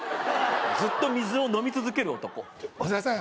ずっと水を飲み続ける男小沢さん